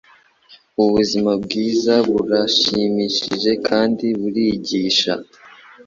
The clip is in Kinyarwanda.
Ubuzima bwiza burashimishije kandi burigisha.